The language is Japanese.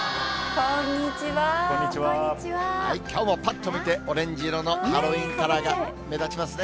きょうもぱっと見て、オレンジ色のハロウィーンカラーが目立ちますね。